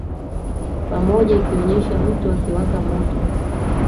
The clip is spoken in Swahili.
pamoja ikionyesha mtu akiwaka moto